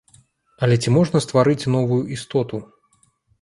Але ці можна стварыць новую істоту?